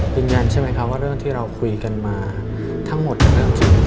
เป็นยันใช่ไหมคะว่าเรื่องที่เราคุยกันมาทั้งหมดก็เริ่มจริง